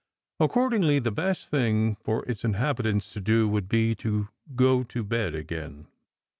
Accordingly, the best thing for its inhabitants to do would be to go to bed again.